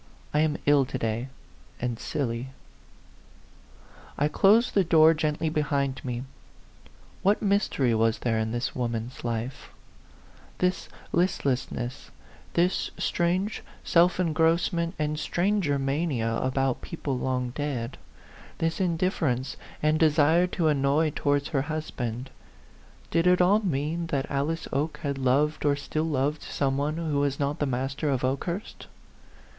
" I am ill to day, and silly." I closed the door gently behind me. What mystery was there in this woman's life ? This listlessness, this strange self en grossment and stranger mania about people long dead, this indifference and desire to an noy towards her husband did it all mean that Alice Oke had loved or still loved A PHANTOM LOVER. 73 some one who was not the master of Oke hurst